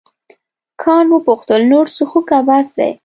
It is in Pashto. کانت وپوښتل نور څښو که بس دی.